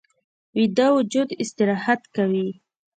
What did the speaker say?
ویده وجود استراحت کوي